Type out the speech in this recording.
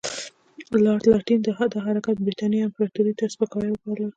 لارډ لیټن دا حرکت برټانیې امپراطوري ته سپکاوی وباله.